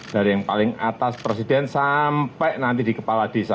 dari yang paling atas presiden sampai nanti di kepala desa